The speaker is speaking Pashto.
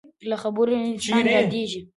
له خبرو انسان یادېږي.